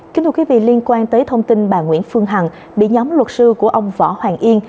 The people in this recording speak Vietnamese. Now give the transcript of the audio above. kính thưa quý vị liên quan tới thông tin bà nguyễn phương hằng bị nhóm luật sư của ông võ hoàng yên